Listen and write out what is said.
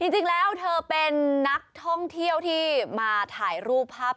จริงแล้วเธอเป็นนักท่องเที่ยวที่มาถ่ายรูปภาพ